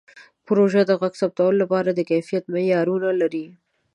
پروژه د غږ ثبتولو لپاره د کیفیت معیارونه لري.